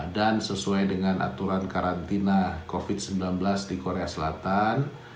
dan sesuai dengan aturan karantina covid sembilan belas di korea selatan